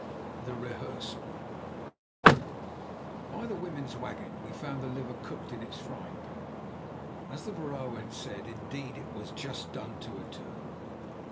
THE REHEARSAL By the women's wagon we found the liver cooked in its frying pan, as the vrouw had said. Indeed, it was just done to a turn.